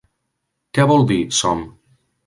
Què vol dir som?